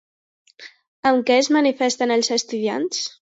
Amb què es manifesten els estudiants?